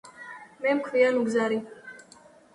მას ქვია ნუგზარი